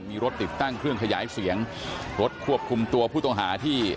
มีรถติดตั้งเครื่องขยายเสียงรถควบคุมตัวผู้ต้องหาที่